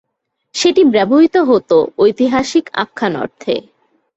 সেটি ব্যবহৃত হত ঐতিহাসিক আখ্যান অর্থে।